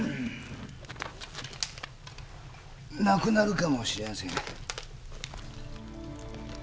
なくなるかもしれやせん。